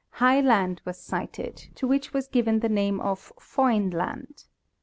high land was sighted, to which was given thename of Foyn land.